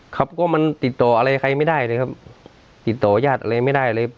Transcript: ครับก็มันติดต่ออะไรใครไม่ได้เลยครับติดต่อยาดอะไรไม่ได้เลย